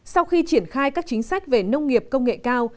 sau khi triển khai các chính sách về nông nghiệp công nghệ cao